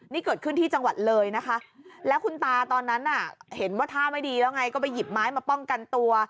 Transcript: นี่เกิดขึ้นที่จังหวัดเลยนะคะแล้วคุณตาตอนนั้นน่ะเห็นว่าท่าไม่ดีแล้วไงก็ไปหยิบไม้มาป้องกันตัว